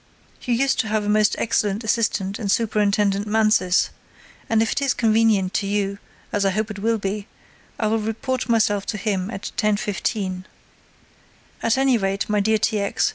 You used to have a most excellent assistant in Superintendent Mansus, and if it is convenient to you, as I hope it will be, I will report myself to him at 10.15. At any rate, my dear T. X.